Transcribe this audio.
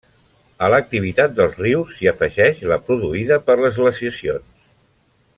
A l'activitat dels rius, s'hi afegeix la produïda per les glaciacions.